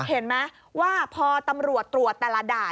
เห็นไหมว่าพอตำรวจตรวจแต่ละด่าน